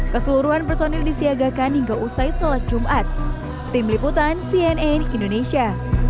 keseluruhan personil disiagakan hingga usai sholat jumat tim liputan cnn indonesia